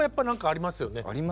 ありますよね。